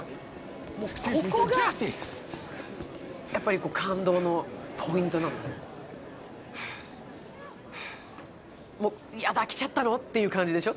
もうここがやっぱりこう感動のポイントなのもう嫌だ来ちゃったの？っていう感じでしょ